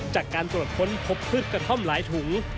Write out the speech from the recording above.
จากการตรวจค้นพบพืชกระท่อมหลายถุง